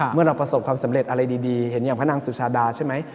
เมื่อเราประสบความสำเร็จอะไรดีเห็นอย่างพระนางสุชาดาใช่ไหม